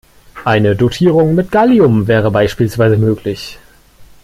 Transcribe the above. Eine Dotierung mit Gallium wäre beispielsweise möglich.